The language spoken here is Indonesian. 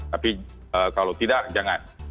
tapi kalau tidak jangan